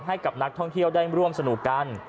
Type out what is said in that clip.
ให้กับนักท่องเที่ยวได้ร่วมสนุกกัน